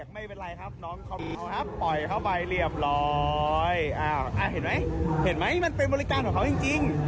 ไม่เป็นไรครับน้องเขามีครับปล่อยเข้าไปเรียบร้อยเห็นไหมเห็นไหมมันเป็นบริการของเขาจริง